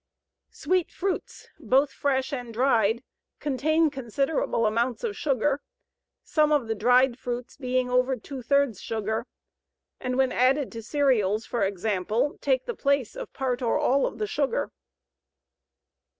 Sweet fruits, both fresh and dried, contain considerable amounts of sugar, some of the dried fruits being over two thirds sugar, and when added to cereals, for example, take the place of part or all of the sugar.